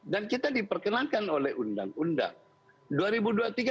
dan kita diperkenankan oleh undang undang